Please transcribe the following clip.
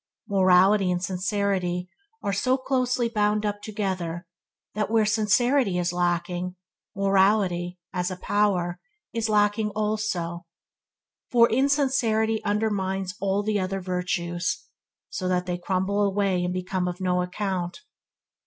Morality and sincerity are so closely bound up together, that where sincerity is lacking, morality, as a power, is lacking also, for insincerity undermines all the other virtues, so that they crumble away and become of no account.